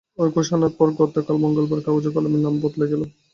ওই ঘোষণার পর গতকাল মঙ্গলবার কাগজে কলমে নাম বদলে গেল।